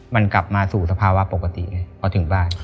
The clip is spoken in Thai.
มันกลับมาสู่สภาวะปกติไงพอถึงบ้าน